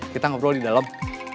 kita ngobrol di dalam